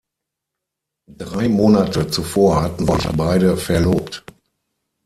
Drei Monate zuvor hatten sich beide verlobt.